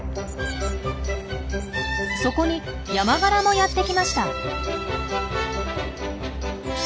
そこにヤマガラもやってきました。